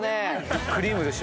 クリームでしょ？